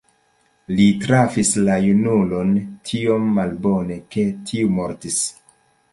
Li trafis la junulon tiom malbone, ke tiu mortis.